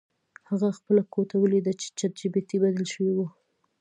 هغه خپله کوټه ولیده چې چت یې بدل شوی و